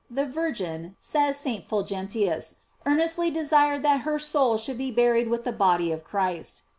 The Virgin, says St. Fulgentius, earnestly desired that her soul should be buried with the body of Christ.